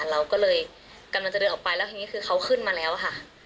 เราก็เลยกำลังจะเดินออกไปแล้วทีนี้คือเขาขึ้นมาแล้วค่ะ